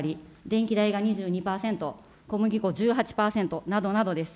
電気代が２２％、小麦粉１８％などなどです。